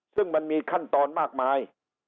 ซึ่งมันมีขั้นตอนมากมาย